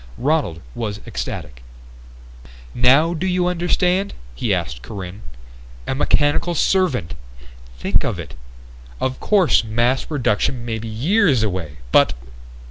Ronald was ecstatic. "Now do you understand?" he asked Corinne. "A mechanical servant! Think of it! Of course mass production may be years away, but